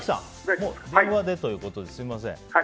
電話でということですみません。